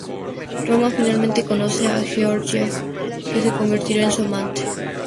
Roma finalmente conoce a Georgia, que se convertirá en su amante.